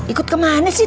ikut kemana sih